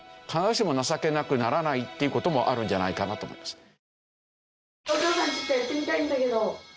必ずしも情けなくならないっていう事もあるんじゃないかなと思います。